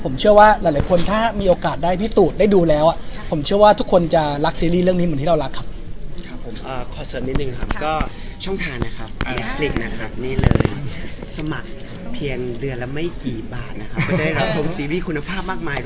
ผมเชื่อว่าหลายคนถ้ามีโอกาสได้พิสูจน์ได้ดูแล้วผมเชื่อว่าทุกคนจะรักซีรีส์เรื่องนี้เหมือนที่เรารักครับ